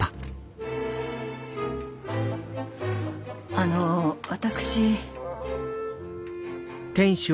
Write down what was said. あの私。